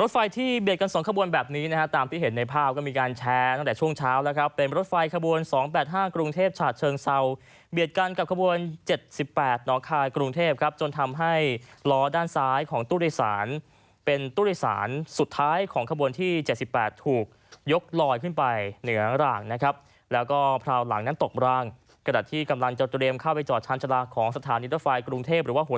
รถไฟที่เบียดกันสองขบวนแบบนี้นะฮะตามที่เห็นในภาพก็มีการแชร์ตั้งแต่ช่วงเช้าแล้วครับเป็นรถไฟขบวนสองแปดห้ากรุงเทพชาติเชิงเซาท์เบียดกันกับขบวนเจ็ดสิบแปดน้องคายกรุงเทพครับจนทำให้ล้อด้านซ้ายของตู้ลิสารเป็นตู้ลิสารสุดท้ายของขบวนที่เจ็ดสิบแปดถูกยกลอยขึ้นไปเห